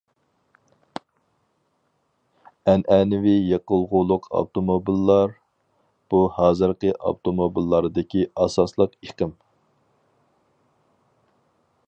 ئەنئەنىۋى يېقىلغۇلۇق ئاپتوموبىللار بۇ ھازىرقى ئاپتوموبىللاردىكى ئاساسلىق ئېقىم.